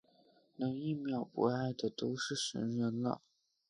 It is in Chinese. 能一秒不爱的都是神人了